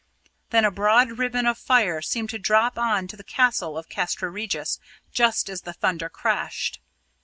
Then a broad ribbon of fire seemed to drop on to the tower of Castra Regis just as the thunder crashed.